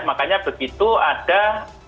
makanya begitu ada satu tutup